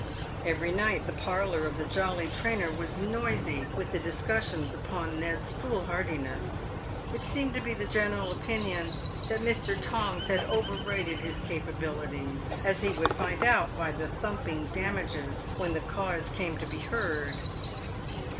Every night the parlour of the " Jolly Trainer" was noisy with the discussions upon Ned's foolhardiness. It seemed to be the general opinion that Mr. Tongs had overrated his capabilities, as he would find out by the " thumping damages" when the cause came to 184 PAVED WITH GOLD. be heard.